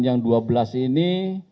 yang dua belas ini